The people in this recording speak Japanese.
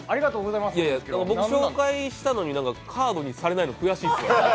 僕、紹介したのにカードにされないの悔しいんですよ。